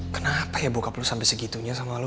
kenapa ya bokap lo sampe segitunya sama lo